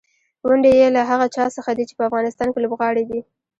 ونډې یې له هغه چا څخه دي چې په افغانستان کې لوبغاړي دي.